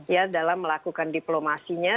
ya dalam melakukan diplomasinya